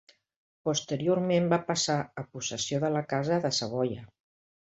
Posteriorment va passar a possessió de la Casa de Savoia.